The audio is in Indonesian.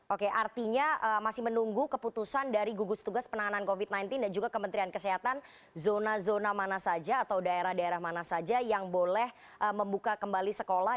oke artinya masih menunggu keputusan dari gugus tugas penanganan covid sembilan belas dan juga kementerian kesehatan zona zona mana saja atau daerah daerah mana saja yang boleh membuka kembali sekolah